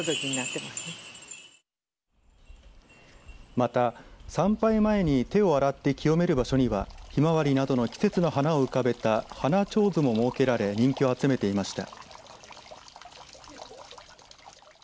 また、参拝前に手を洗って清める場所にはひまわりなどの季節の花を浮かべた花手水も設けられ人気を集めていました。